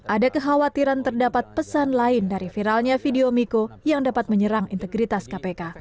ada kekhawatiran terdapat pesan lain dari viralnya video miko yang dapat menyerang integritas kpk